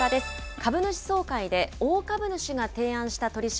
株主総会で大株主が提案した取締